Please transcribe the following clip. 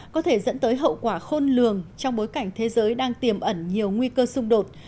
có thể dẫn tới hậu quả khôn lường trong bối cảnh thế giới đang tiềm ẩn nhiều nguy cơ xung đột